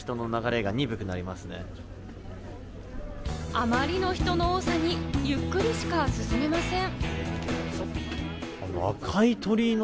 あまりの人の多さにゆっくりしか進めません。